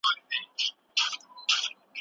فشار د فکر تکرار زیاتوي.